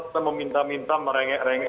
kita meminta minta merengek rengek